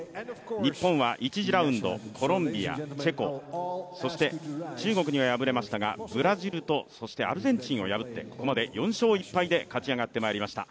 日本は１次ラウンド、コロンビア、チェコ、そして中国には敗れましたがブラジルとアルゼンチンを破ってここまで４勝１敗で勝ち上がってまいりました。